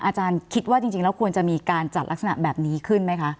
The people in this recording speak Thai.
อาจารย์คิดว่าจริงแล้วควรจะมีการจัดลักษณะแบบนี้ขึ้นไหมคะ